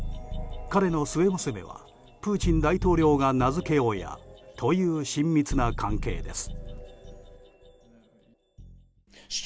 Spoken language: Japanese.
彼の末娘はプーチン大統領が名付け親という親密な関係です。